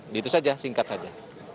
di itu saja singkat saja